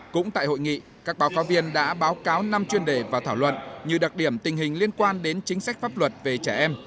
cũng tại hội nghị các báo cáo viên đã báo cáo năm chuyên đề và thảo luận như đặc điểm tình hình liên quan đến chính sách pháp luật về trẻ em